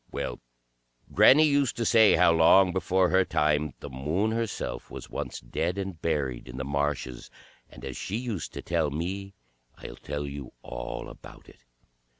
Well, granny used to say how long before her time the Moon herself was once dead and buried in the marshes, and as she used to tell me, I'll tell you all about it.